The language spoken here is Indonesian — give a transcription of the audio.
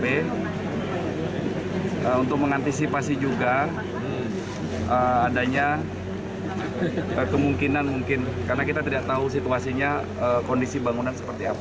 dan juga mengantisipasi kemungkinan untuk mengambil alih dari kondisi bangunan